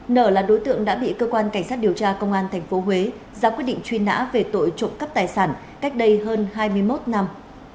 nở là đối tượng đã bị cơ quan cảnh sát điều tra công an tp huế ra quyết định truy nã về tội trộm cắp tài sản cách đây hơn hai mươi một năm